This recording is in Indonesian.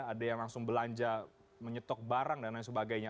ada yang langsung belanja menyetok barang dan lain sebagainya